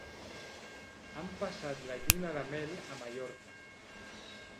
Han passat la lluna de mel a Mallorca.